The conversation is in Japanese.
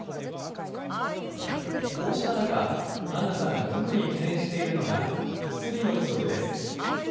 こうした中、アンナさんが特に懸念しているのが、薬の不足です。